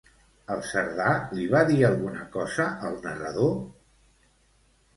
El Cerdà li va dir alguna cosa al narrador?